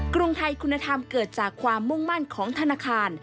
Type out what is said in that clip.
กรุงไทยคุณธรรมเกิดจากความมุ่งมั่นของธนาคาร